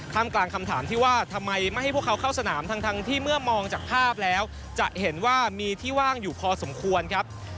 กลางคำถามที่ว่าทำไมไม่ให้พวกเขาเข้าสนามทั้งที่เมื่อมองจากภาพแล้วจะเห็นว่ามีที่ว่างอยู่พอสมควรครับ